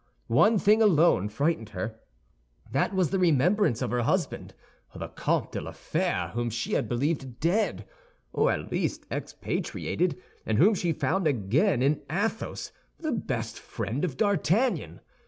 One thing alone frightened her; that was the remembrance of her husband, the Comte de la Fère, whom she had believed dead, or at least expatriated, and whom she found again in Athos—the best friend of D'Artagnan.